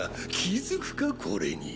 気付くかこれに。